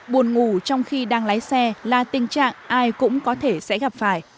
buồn ngủ trong khi đang lái xe là tình trạng ai cũng có thể sẽ gặp phải